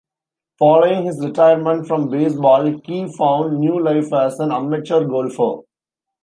Following his retirement from baseball, Key found new life as an amateur golfer.